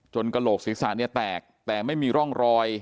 กระโหลกศีรษะเนี่ยแตกแต่ไม่มีร่องรอย